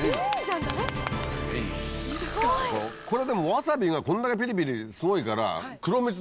これでもわさびがこれだけピリピリすごいから。